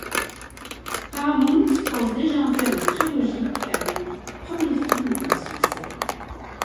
Paramount pense déjà en faire une trilogie car le premier film est un succès.